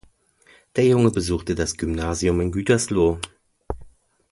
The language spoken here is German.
Der Junge besuchte das Gymnasium in Gütersloh.